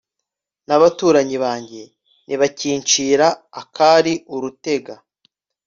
n'abaturanyi banjye ntibakincira akari urutega